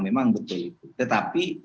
memang betul itu tetapi